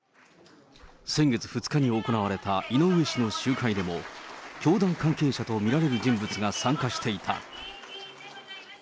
先月２日に行われた井上氏の集会でも、教団関係者と見られる人物が参加していた。